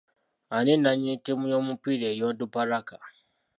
Ani nannyini ttiimu y'omupiira eya Onduparaka?